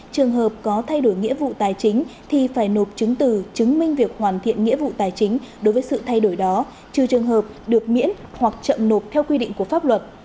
trường hợp có thay đổi nghĩa vụ tài chính thì phải nộp chứng từ chứng minh việc hoàn thiện nghĩa vụ tài chính đối với sự thay đổi đó trừ trường hợp được miễn hoặc chậm nộp theo quy định của pháp luật